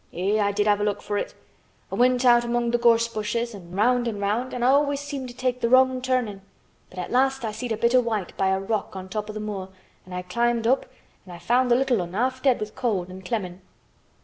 Eh! I did have a look for it. I went in an' out among th' gorse bushes an' round an' round an' I always seemed to take th' wrong turnin'. But at last I seed a bit o' white by a rock on top o' th' moor an' I climbed up an' found th' little 'un half dead wi' cold an' clemmin'."